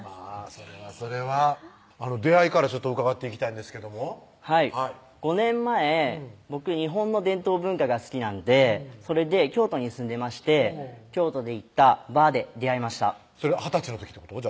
それはそれは出会いから伺っていきたいんですけどもはい５年前僕日本の伝統文化が好きなんでそれで京都に住んでまして京都で行ったバーで出会いましたそれ二十歳の時ってこと？